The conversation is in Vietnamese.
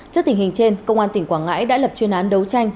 trước tình hình trên công an tỉnh quảng ngãi đã lập chuyên án đấu tranh